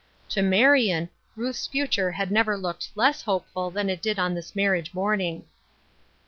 To Marion, Ruth's future had never looked less hopeful than it did on this marriage morning.